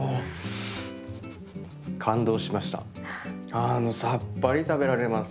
あのさっぱり食べられます